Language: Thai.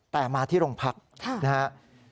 แต่มาที่โรงพักนะครับ